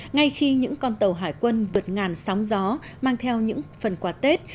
ngay khi những con tàu hải quân vượt ngàn sóng gió mang theo những phần quà tết